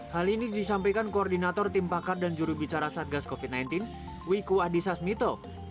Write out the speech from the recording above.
hal ini disampaikan koordinator tim pakar dan jurubicara satgas covid sembilan belas wiku adhisa smito